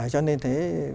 cho nên thế